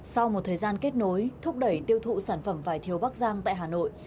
sau một thời gian kết nối thúc đẩy tiêu thụ sản phẩm vải thiều bắc giang tại hà nội